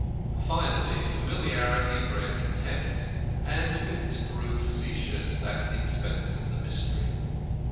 Finally, familiarity bred contempt, and the wits grew facetious at the expense of the Mystery.